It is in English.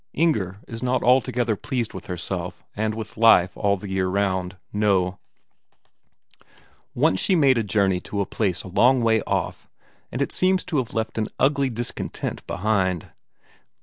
Inger is not altogether pleased with herself and with life all the year round, no; once she made a journey to a place a long way off, and it seems to have left an ugly discontent behind.